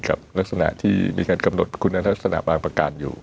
ลักษณะที่มีการกำหนดคุณทักษณะบางประการอยู่